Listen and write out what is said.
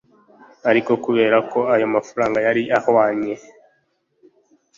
Ariko kubera ko ayo mafaranga yari ahwanye